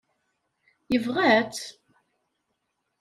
Yebɣa-tt?